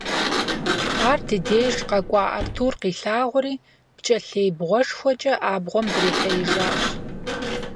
Ар ди деж къэкӀуа Артур къилъагъури пкӀэлъей бгъуэшхуэкӀэ абгъуэм дрихьеижащ.